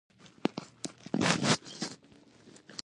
مړی د پیل په شا د ډیلي په بازارونو کې وګرځول شو.